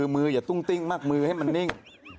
มืออย่าตุ้งติ้งมากมือให้มันนิ่ง